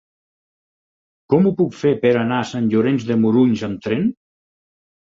Com ho puc fer per anar a Sant Llorenç de Morunys amb tren?